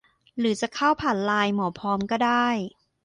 หรือจะเข้าผ่านไลน์ หมอพร้อม ก็ได้